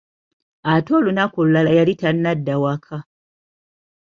Ate olunaku olulala yali tanadda waka.